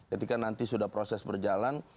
ketika nanti sudah proses berjalan